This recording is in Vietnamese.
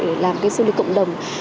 để làm cái du lịch cộng đồng